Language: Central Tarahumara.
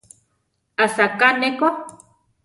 Asaká ne ko.